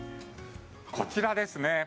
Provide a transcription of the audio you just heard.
こちらですね。